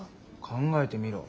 考えてみろ。